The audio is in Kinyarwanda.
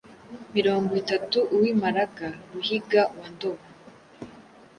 mirongwitatu Uwimiiraga Ruhiga wandoba